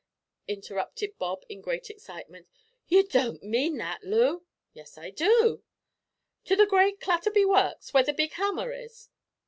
interrupted Bob in great excitement; "you don't mean that, Loo?" "Yes, I do." "To the great Clatterby Works, where the big hammer is?"